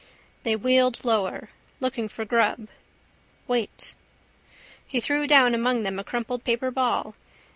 They wheeled lower. Looking for grub. Wait. He threw down among them a crumpled paper ball.